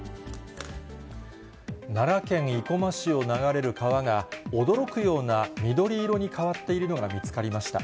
奈良県生駒市を流れる川が、驚くような緑色に変わっているのが見つかりました。